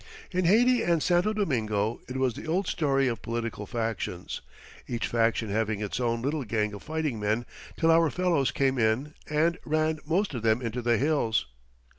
In Haiti and Santo Domingo it was the old story of political factions, each faction having its own little gang of fighting men till our fellows came in and ran most of them into the hills.